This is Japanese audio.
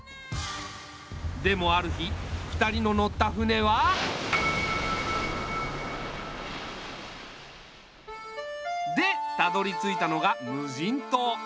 でもある日２人の乗った船は。でたどりついたのが無人島。